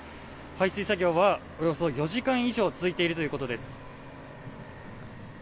排水作業はおよそ４時間以上続いているということです。